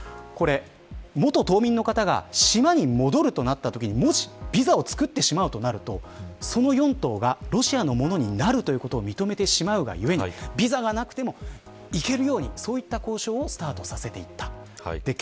元島民の方が島に戻るとなったときにもしビザを作ってしまうとなるとその四島がロシアのものになるということを認めてしまうがためにビザがなくても行けるようにそういった交渉をスタートさせていった。